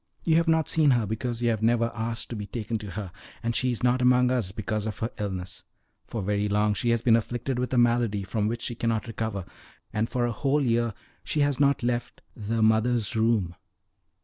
You have not seen her because you have never asked to be taken to her; and she is not among us because of her illness. For very long she has been afflicted with a malady from which she cannot recover, and for a whole year she has not left the Mother's Room."